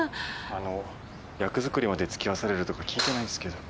あの役作りまで付き合わされるとか聞いてないんすけど。